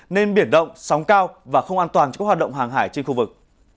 nên biển động sóng cao và không an toàn cho các hoạt động hàng hải trên khu vực